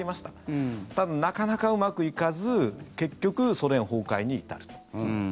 ただ、なかなかうまくいかず結局、ソ連崩壊に至ると。